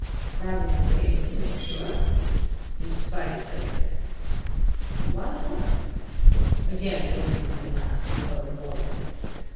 "Rather than wait, to make sure?" "Decidedly." "Why's that?" Again the Olympian laugh, and the lowered voice.